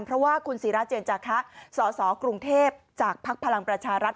เพราะว่าคุณศิราเจนจาคะสสกรุงเทพจากภักดิ์พลังประชารัฐ